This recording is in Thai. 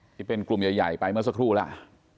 ที่เป็นกลุ่มใหญ่ไปเมื่อสักครู่แล้ว